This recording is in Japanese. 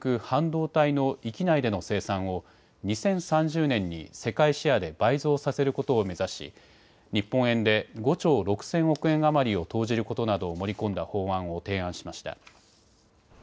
半導体の域内での生産を２０３０年に世界シェアで倍増させることを目指し日本円で５兆６０００億円余りを投じることなどを盛り込んだ法案を提案しました。